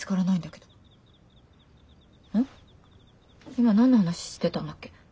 今何の話してたんだっけ。